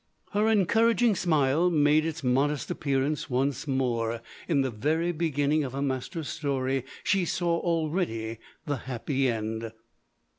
Her encouraging smile made its modest appearance once more. In the very beginning of her master's story, she saw already the happy end.